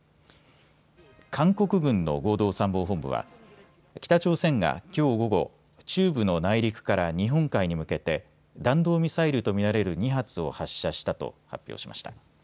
韓国軍の合同参謀本部は北朝鮮がきょう午後、中部の内陸から日本海に向けて弾道ミサイルと見られる２発を発射したと発表しました。